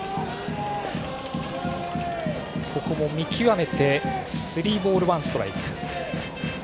見極めてスリーボールワンストライク。